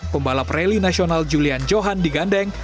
pembalap rally nasional julian johan digandeng